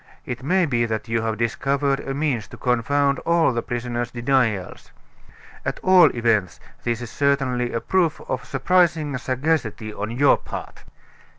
It may be that you have discovered a means to confound all the prisoner's denials. At all events, this is certainly a proof of surprising sagacity on your part."